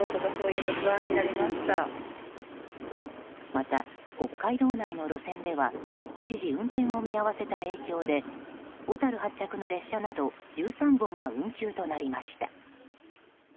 また北海道内の路線では一時運転を見合わせた影響で小樽発着の列車など１３本が運休となりました。